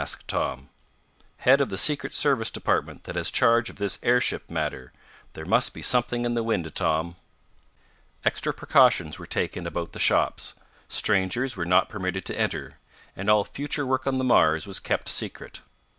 asked Tom. "Head of the Secret Service department that has charge of this airship matter. There must be something in the wind, Tom." Extra precautions were taken about the shops. Strangers were not permitted to enter, and all future work on the Mars was kept secret.